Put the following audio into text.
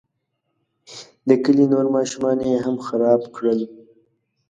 د کلي نور ماشومان یې هم خراب کړل.